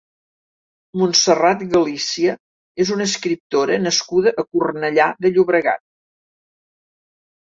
Montserrat Galícia és una escriptora nascuda a Cornellà de Llobregat.